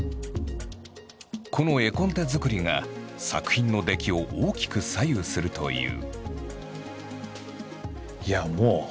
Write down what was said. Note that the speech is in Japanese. この絵コンテづくりが作品の出来を大きく左右するという。